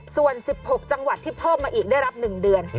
ส่วน๑๖จังหวัดที่เพิ่มมาอีกได้รับ๑เดือน